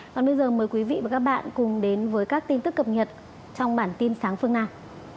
còn bây giờ mời quý vị và các bạn cùng đến với các tin tức cập nhật trong bản tin sáng phương nam